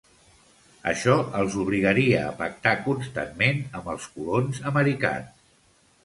Això els obligaria a pactar constantment amb els colons americans.